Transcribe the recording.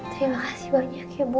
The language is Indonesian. terima kasih banyak ibu